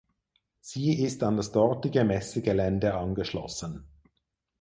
Sie ist an das dortige Messegelände angeschlossen.